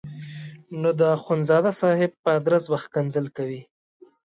نو د اخندزاده صاحب په ادرس به ښکنځل کوي.